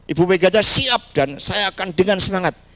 ibu mega siap dan saya akan dengan semangat